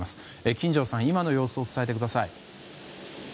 金城さん、今の様子を伝えてください。